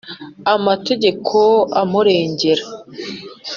amategeko amurengera.